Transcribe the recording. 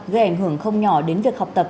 gây ảnh hưởng không nhỏ đến việc học tập